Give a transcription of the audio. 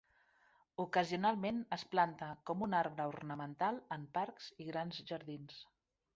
Ocasionalment es planta com un arbre ornamental en parcs i grans jardins.